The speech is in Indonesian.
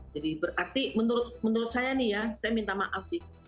jadi berarti menurut saya nih ya saya minta maaf sih